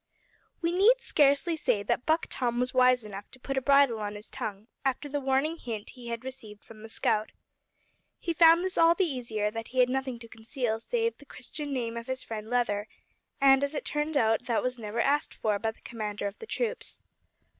We need scarcely say that Buck Tom was wise enough to put a bridle on his tongue after the warning hint he had received from the scout. He found this all the easier that he had nothing to conceal save the Christian name of his friend Leather, and, as it turned out, this was never asked for by the commander of the troops.